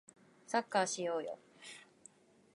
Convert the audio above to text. サッカーしようよ